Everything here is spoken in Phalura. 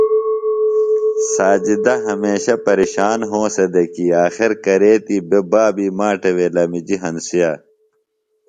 ساجدہ ہمیشہ پیرِشان ہونسہ دےۡ کی آخر کرے تھی بےۡ بابی ماٹہ وے لمِجیۡ ہنسیا۔